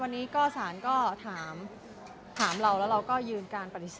วันนี้ก็สารก็ถามเราแล้วเราก็ยืนการปฏิเสธ